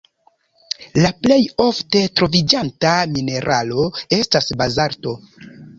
La plej ofte troviĝanta mineralo estas bazalto.